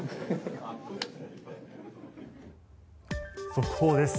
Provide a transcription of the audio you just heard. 速報です。